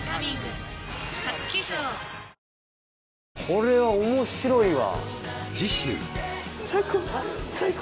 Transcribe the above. これは面白いわ